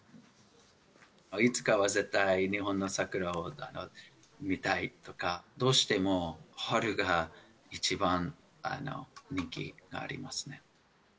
いつかは絶対、日本の桜を見たいとか、どうしても春が一番人気がありますね。